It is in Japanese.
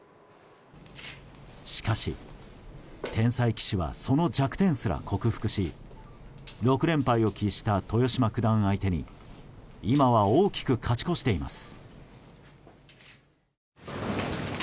しかし、天才棋士はその弱点すら克服し６連敗を喫した豊島九段相手に今は大きく勝ち越しています。